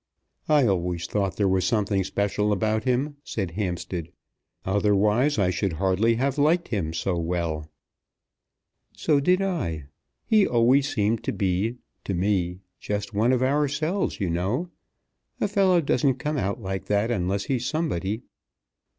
"I always thought there was something special about him," said Hampstead; "otherwise I should hardly have liked him so well." "So did I. He always seemed to be, to me, just one of ourselves, you know. A fellow doesn't come out like that unless he's somebody.